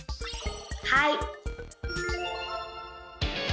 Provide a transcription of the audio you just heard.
はい！